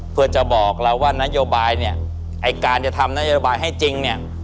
เพื่อจะบอกเราว่านโยบายเนี่ยไอ้การจะทำนโยบายให้จริงเนี่ย